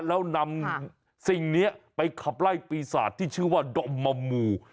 แล้วนำสิ่งนี้ไปขับไล่ปีศาจที่ชื่อว่าดมมู